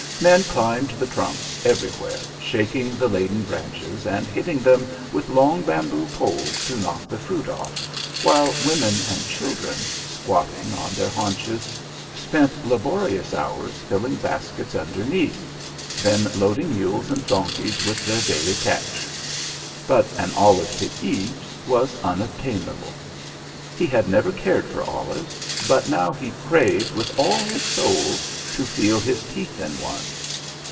Men climbed the trunks, everywhere shaking the laden branches and hitting them with long bamboo poles to knock the fruit off, while women and children, squatting on their haunches, spent laborious hours filling baskets underneath, then loading mules and donkeys with their daily "catch." But an olive to eat was unobtainable. He had never cared for olives, but now he craved with all his soul to feel his teeth in one.